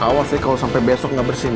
awas nih kalo sampe besok gak bersini